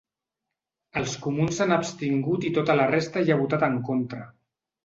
Els comuns s’han abstingut i tota la resta hi ha votat en contra.